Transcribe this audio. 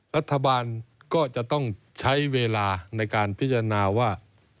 รัฐบาลก็จะต้องใช้เวลาในการพิจารณาว่า